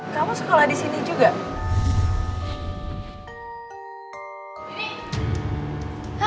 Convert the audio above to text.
kamu sekolah disini juga